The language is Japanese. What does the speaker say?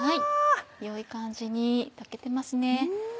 良い感じに炊けてますね。